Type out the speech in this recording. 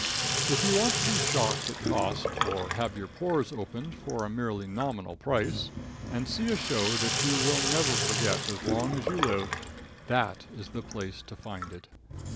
If you want to be shocked at cost, or have your pores opened for a merely nominal price, and see a show that you will never forget as long as you live, that is the place to find it.